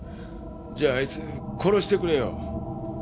じゃああいつ殺してくれよ。